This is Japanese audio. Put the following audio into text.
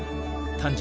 誕生。